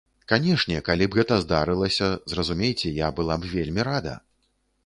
Канешне, калі б гэта здарылася, зразумейце, я была б вельмі рада.